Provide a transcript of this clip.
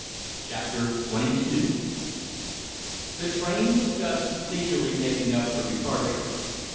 Chapter XXII The train was just leisurely making up for departure.